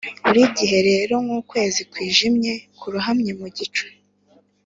burigihe rero nkukwezi kwijimye kurohamye mu gihu